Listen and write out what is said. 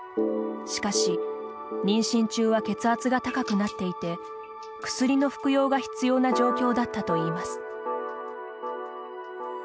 しかし、妊娠中は血圧が高くなっていて薬の服用が必要な状況だったといいます。